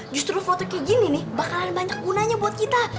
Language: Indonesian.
justru foto kayak gini nih bakalan banyak gunanya buat kita